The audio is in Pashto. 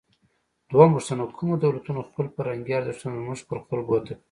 دویمه پوښتنه: کومو دولتونو خپل فرهنګي ارزښتونه زموږ پر خلکو وتپل؟